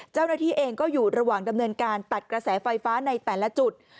เจ้าหน้าที่เองก็อยู่ระหว่างดำเนินการตัดกระแสไฟฟ้าในแต่ละจุด